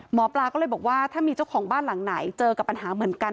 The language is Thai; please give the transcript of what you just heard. หมอปลาก็เลยบอกว่าถ้ามีเจ้าของบ้านหลังไหนเจอกับปัญหาเหมือนกัน